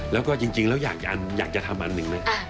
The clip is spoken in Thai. แล้วก็จริงแล้วอยากจะทำอันหนึ่งนะ